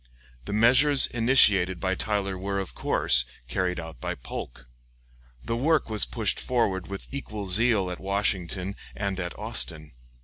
The measures initiated by Tyler were, of course, carried out by Polk. The work was pushed forward with equal zeal at Washington and at Austin.